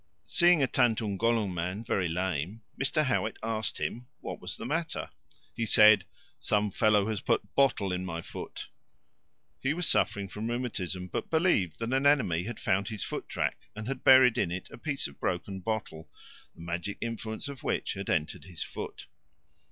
Seeing a Tatungolung man very lame, Mr. Howitt asked him what was the matter. He said, "some fellow has put bottle in my foot." He was suffering from rheumatism, but believed that an enemy had found his foot track and had buried it in a piece of broken bottle, the magical influence of which had entered his foot.